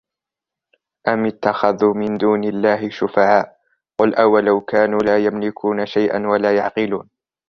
أم اتخذوا من دون الله شفعاء قل أولو كانوا لا يملكون شيئا ولا يعقلون